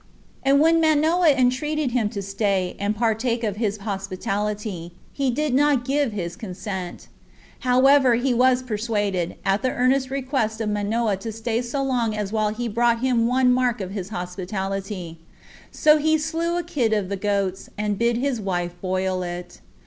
And when Manoah had entreated him to stay, and partake of his hospitality, he did not give his consent. However he was persuaded, at the earnest request of Manoah to stay so long as while he brought him one mark of his hospitality; so he slew a kid of the goats, and bid his wife boil it.